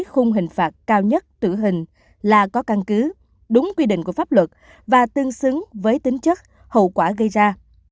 khung hình phạt cao nhất tử hình là có căn cứ đúng quy định của pháp luật và tương xứng với tính chất hậu quả gây ra